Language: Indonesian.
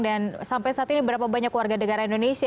dan sampai saat ini berapa banyak warga negara indonesia